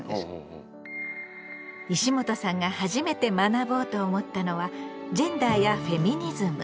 石本さんが初めて学ぼうと思ったのはジェンダーやフェミニズム。